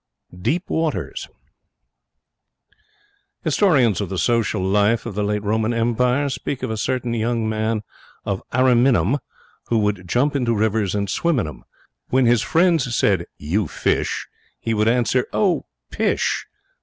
DEEP WATERS Historians of the social life of the later Roman Empire speak of a certain young man of Ariminum, who would jump into rivers and swim in 'em. When his friends said, 'You fish!' he would answer, 'Oh, pish!